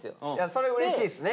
それうれしいですね